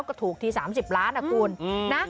ก็ถูกที๓๐ล้านนะคุณนะ